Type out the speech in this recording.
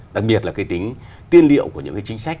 đặc biệt là tính tiên liệu của những chính sách